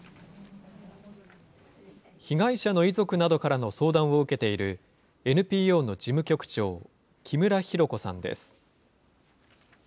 被害者の遺族などからの相談を受けている、ＮＰＯの事務局長、木村弘子さんです。